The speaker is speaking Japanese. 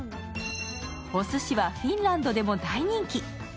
おすしはフィンランドでも大人気。